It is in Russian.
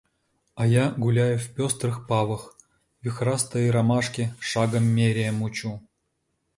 А я гуляю в пестрых павах, вихрастые ромашки, шагом меряя, мучу.